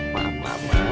biar lebih rapat